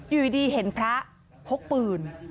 อยู่ดีเห็นพระพกปืน